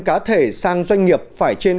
cá thể sang doanh nghiệp phải trên